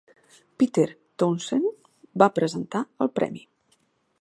Peter Townshend va presentar el premi.